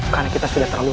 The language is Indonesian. karena kita sudah terlalu